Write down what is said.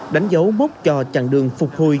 đánh dấu mốt cho chặng đường phục hồi